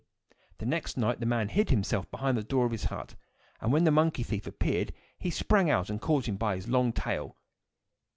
The next night the man hid himself behind the door of the hut, and when the monkey thief appeared, he sprang out and caught him by his long tail.